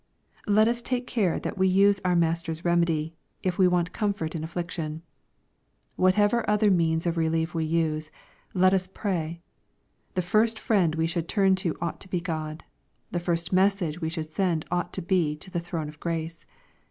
Let us take care that we use our Master's remedy, if we want comfort in affliction. Whatever other means of reh'ef we use, let us pray. The first Friend we should turn to ought to be God. The first message we should send ought to be to the throne of grace.